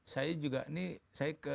saya juga ini